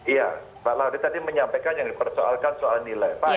iya pak lahori tadi menyampaikan yang dipersoalkan soal nilai